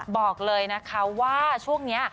บอกเลยนะคะว่าช่วงนี้